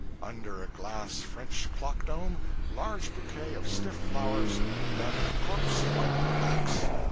Under a glass French clock dome, large bouquet of stiff flowers done in corpsy white wax.